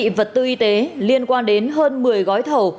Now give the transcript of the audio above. thiết bị vật tư y tế liên quan đến hơn một mươi gói thầu